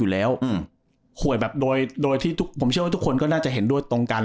อยู่แล้วอืมหวยแบบโดยโดยที่ทุกผมเชื่อว่าทุกคนก็น่าจะเห็นด้วยตรงกัน